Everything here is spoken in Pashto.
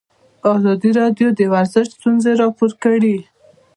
ازادي راډیو د ورزش ستونزې راپور کړي.